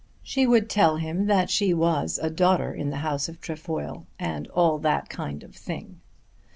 She would tell him that she was a daughter of the house of Trefoil, and "all that kind of thing."